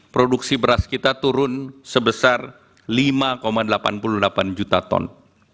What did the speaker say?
produksi beras kita turun sebesar lima delapan puluh delapan juta ton